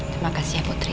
terima kasih ya putri